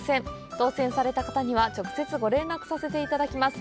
当せんされた方には、直接ご連絡させていただきます。